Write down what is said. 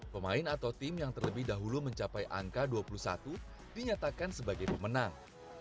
pemain atau tim yang terlebih dahulu mencapai angka dua puluh satu dinyatakan sebagai pemenang